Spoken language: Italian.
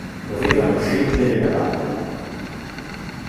Dovevano scendere la valle.